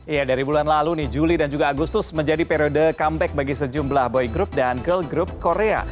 iya dari bulan lalu nih juli dan juga agustus menjadi periode comeback bagi sejumlah boy group dan girl group korea